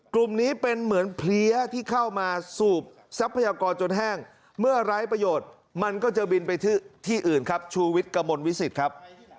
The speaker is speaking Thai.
กลุ่มนี้เป็นเหมือนเพลี้ยที่เข้ามาสูบทรัพยากรจนแห้งเมื่อไร้ประโยชน์มันก็จะบินไปที่อื่นครับชูวิทย์กระมวลวิสิตครับ